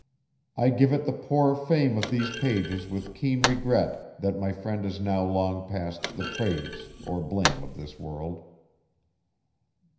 I give it the poor fame of these pages with keen regret that my friend is now long passed the praise or blame of this world.